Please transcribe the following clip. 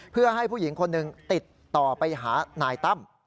เพื่อให้ผู้หญิงคนหนึ่งติดต่อไปหานายตั้ม